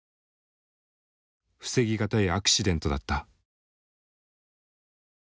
防ぎがたいアクシデントだった。